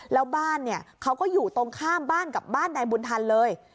แล้วบ้านเนี่ยเขาก็อยู่ตรงข้ามบ้านกับบ้านนายบุญทันเลย